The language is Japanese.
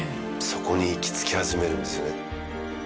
そこに行き着き始めるんですよね